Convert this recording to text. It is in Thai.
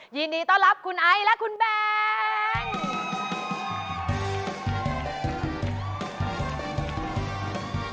ยินดีต้อนรับคุณไอและคุณแบงค์